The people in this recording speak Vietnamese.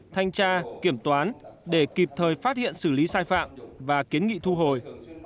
thanh tra kiểm toán để kịp thời phát hiện xử lý sai phạm và kiến nghị thu hồi